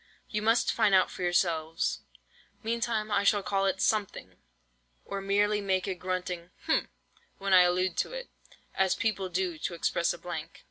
You must find out for yourselves. Meantime I shall call it something, or merely make a grunting—hm—when I allude to it, as people do to express a blank."